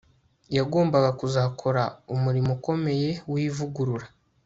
Yagombaga kuzakora umurimo ukomeye wivugurura